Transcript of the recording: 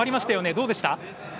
どうでした？